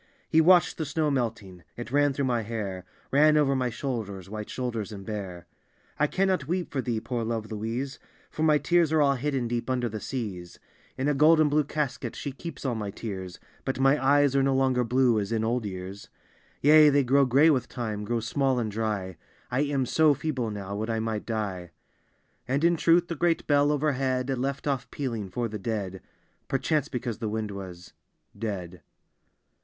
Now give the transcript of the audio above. He watch'd the snow melting, it ran through my hair, Ran over my shoulders, white shoulders and bare. " I cannot weep for thee, poor love Louise, For my tears are all hidden deep under the seas; D,gt,, erihyGOOglC The Blue Closet 165 " In a gold and blue casket she keeps all my tears, But my eyes are no longer blue, as in old years; " Yea, they grow gray with time, grow small and dry, I am so feeble now, would I might die" And in truth the great bell overhead Left off pealing for the dead. Perchance because the wind was — dead.